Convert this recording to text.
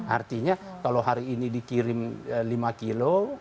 artinya kalau hari ini dikirim lima kilo